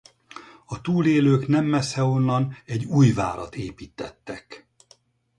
A túlélők nem messze onnan egy új várat építettek.